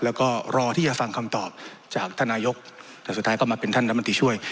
แล้วก็รอที่จะฟังคำตอบจากท่านนายกแต่สุดท้ายก็มาเป็นท่านรัฐมนตรีช่วย